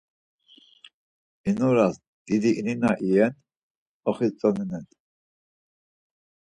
İnoras didi ini na iyen oxitzoninen.